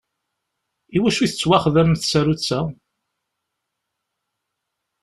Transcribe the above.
Iwacu i tettwaxdam tsarutt-a?